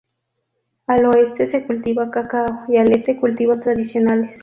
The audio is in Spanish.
Al oeste se cultiva cacao, y al este, cultivos tradicionales.